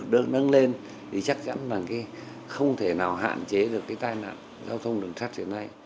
thì chắc chắn là không thể nào hạn chế được cái tai nạn giao thông đường sắp đến nay